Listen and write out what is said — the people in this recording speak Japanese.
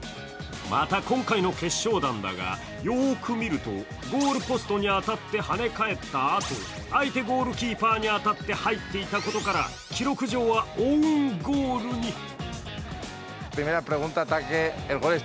また、今回の決勝弾だがよーく見ると、ゴールポストに当たって跳ね返ったあと相手ゴールキーパーに当たって入っていたことから記録上はオウンゴールに。